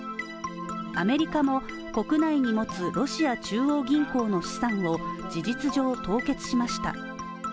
アメリカも国内に持つロシア中央銀行の資産を事実上凍結しました。